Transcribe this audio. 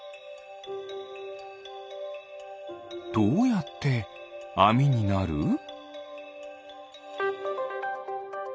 どうやってあみになる？